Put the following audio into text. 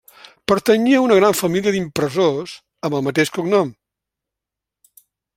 Pertanyia a una gran família d'impressors amb el mateix cognom.